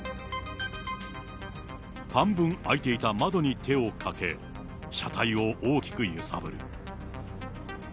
半分開いていた窓に手をかけ、車体を大きく揺さぶる。